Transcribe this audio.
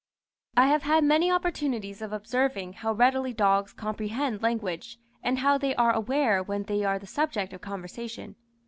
I have had many opportunities of observing how readily dogs comprehend language, and how they are aware when they are the subject of conversation.